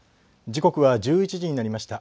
時刻は１１時になりました。